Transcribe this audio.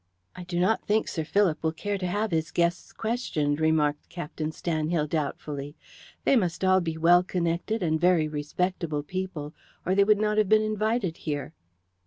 "I do not think Sir Philip will care to have his guests questioned," remarked Captain Stanhill doubtfully. "They must be all well connected and very respectable people, or they would not have been invited here."